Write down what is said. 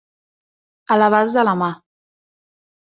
A l'abast de la mà.